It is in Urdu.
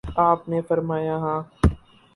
آپ نے فرمایا: ہاں